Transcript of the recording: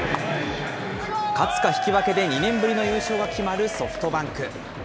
勝つか引き分けで２年ぶりの優勝が決まるソフトバンク。